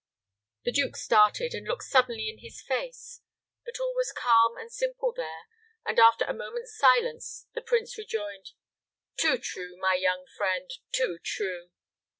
The duke started, and looked suddenly in his face; but all was calm and simple there; and, after a moment's silence, the prince rejoined, "Too true, my young friend; too true!